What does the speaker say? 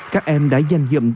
các em đã dành dùm tiền